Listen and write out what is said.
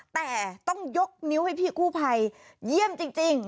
แต่ต้องยกนิ้วให้พี่กู้ภัยเยี่ยมจริง